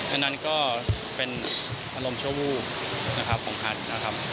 อันนั้นก็เป็นอารมณ์ชั่ววูบนะครับของแพทย์นะครับ